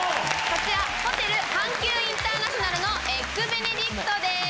こちらホテル阪急インターナショナルのエッグベネディクトです。